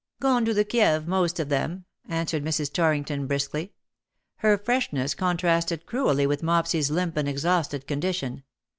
" Gone to the Kieve, most of them," answered Mrs. Torrington briskly. Her freshness contrasted cruelly with Mopsy's limp and exhausted condition.